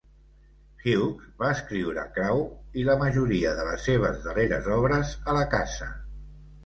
Hughes va escriure "Crow" i la majoria de les seves darreres obres a la casa.